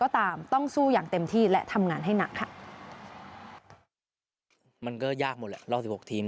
ตามต้องสู้อย่างเต็มที่และทำงานให้หนักค่ะมันก็ยากหมดแหละรอบสิบหกทีม